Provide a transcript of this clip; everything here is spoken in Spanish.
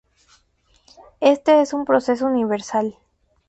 Este es un proceso universal.